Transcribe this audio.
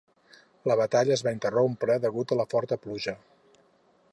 La batalla es va interrompre degut a la forta pluja.